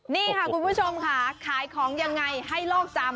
นี่ค่ะคุณผู้ชมค่ะขายของยังไงให้โลกจำ